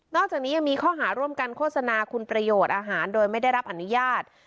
อกจากนี้ยังมีข้อหาร่วมกันโฆษณาคุณประโยชน์อาหารโดยไม่ได้รับอนุญาต